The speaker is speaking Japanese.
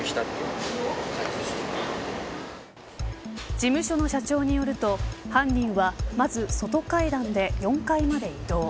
事務所の社長によると犯人はまず外階段で４階まで移動。